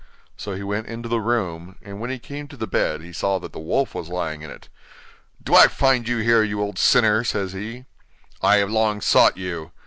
So he went into the room, and when he came to the bed, he saw that the wolf was lying in it. 'Do I find you here, you old sinner!' said he. 'I have long sought you!